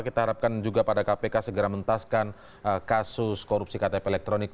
kita harapkan juga pada kpk segera mentaskan kasus korupsi ktp elektronik